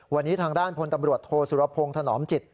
วันนี้ทางด้านพลตำรวจโทสุรพงศ์ถนอมจิต